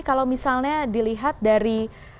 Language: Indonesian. kalau misalnya dilihat dari